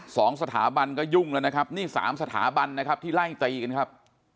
สองสถาบันก็ยุ่งแล้วนะครับนี่สามสถาบันนะครับที่ไล่ตีกันครับ